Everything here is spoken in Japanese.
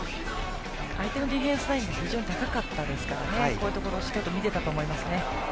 相手のディフェンスラインが非常に高かったですからこういうところしっかり見ていたと思います。